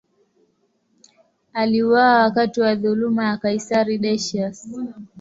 Aliuawa wakati wa dhuluma ya kaisari Decius.